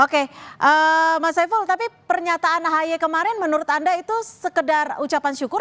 oke mas saiful tapi pernyataan ahy kemarin menurut anda itu sekedar ucapan syukur